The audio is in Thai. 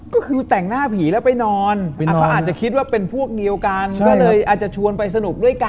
ก็คือแต่งหน้าผีแล้วไปนอนเขาอาจจะคิดว่าเป็นพวกเดียวกันก็เลยอาจจะชวนไปสนุกด้วยกัน